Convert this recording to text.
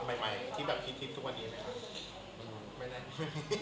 ไม่ได้